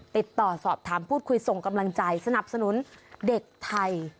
ติดต่อสอบถามพูดคุยส่งกำลังใจสนับสนุนเด็กไทย